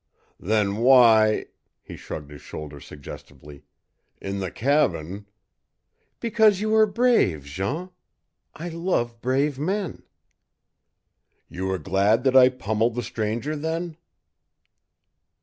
"Then why" he shrugged his shoulders suggestively "in the cabin " "Because you were brave, Jean. I love brave men!" "You were glad that I pummeled the stranger, then?"